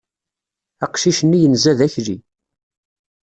Aqcic-nni yenza d akli.